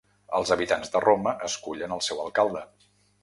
Els habitants de Roma escullen al seu alcalde.